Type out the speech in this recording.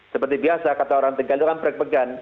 seperti biasa kata orang tegal itu kan proyek pegan